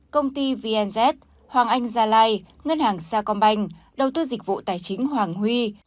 công ty vnz hoàng anh gia lai ngân hàng sa công banh đầu tư dịch vụ tài chính hoàng huy